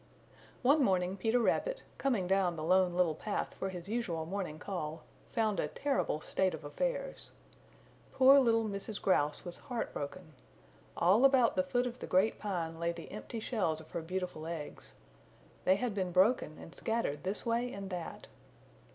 One morning Peter Rabbit, coming down the Lone Little Path for his usual morning call, found a terrible state of affairs. Poor little Mrs. Grouse was heart broken. All about the foot of the Great Pine lay the empty shells of her beautiful eggs. They had been broken and scattered this way and that.